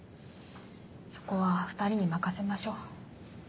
そこは２人に任せましょう。